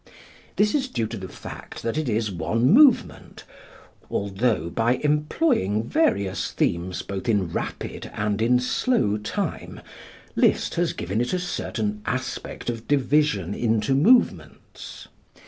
This is due to the fact that it is one movement; although by employing various themes both in rapid and in slow time, Liszt has given it a certain aspect of division into movements.